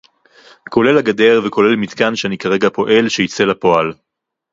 כולל הגדר וכולל מתקן שאני כרגע פועל שיצא לפועל